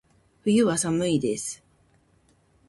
冬は、寒いです。